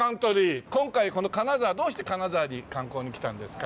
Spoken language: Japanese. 今回この金沢どうして金沢に観光に来たんですか？